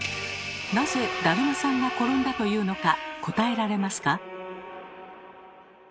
なぜ「だるまさんがころんだ」というのか答えられますか？